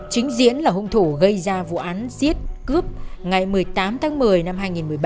chính diễn là hung thủ gây ra vụ án giết cướp ngày một mươi tám tháng một mươi năm hai nghìn một mươi ba